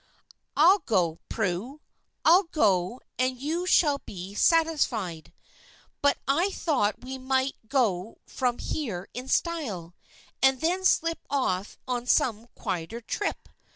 "I'll go, Prue, I'll go; and you shall be satisfied. But I thought we might go from here in style, and then slip off on some quieter trip.